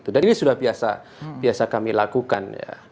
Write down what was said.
dan ini sudah biasa kami lakukan